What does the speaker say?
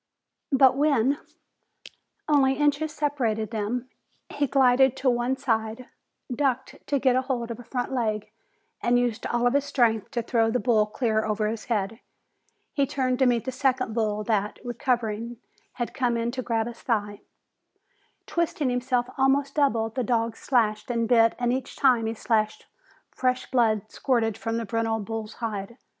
But when only inches separated them, he glided to one side, ducked to get hold of a front leg, and used all his strength to throw the bull clear over his head. He turned to meet the second bull that, recovering, had come in to grab his thigh. Twisting himself almost double, the dog slashed and bit and each time he slashed fresh blood spurted from the brindle bull's hide.